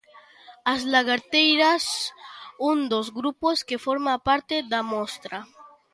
As Lagharteiras, un dos grupos que forma parte da Mostra.